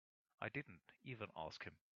I didn't even ask him.